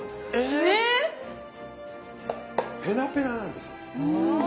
⁉ペラペラなんです。